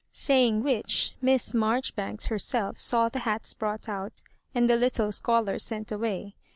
Saying which, Miss Marjoribanks herself saw the hats brought out, and the little scholars sent away.